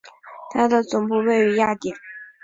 它的总部位于雅典。